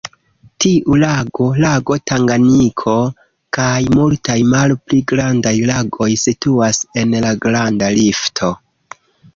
Tiu lago, lago Tanganjiko kaj multaj malpli grandaj lagoj situas en la Granda Rifto.